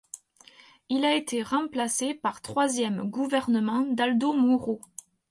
Il a été remplacé par troisième gouvernement d'Aldo Moro.